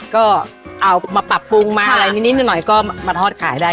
ก็เอามาปรับปรุงมาอะไรนิดหน่อยก็มาทอดขายได้